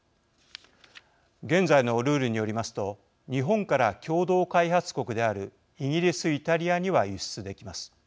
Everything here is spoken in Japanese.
現在のルールによりますと日本から共同開発国であるイギリス・イタリアには輸出できます。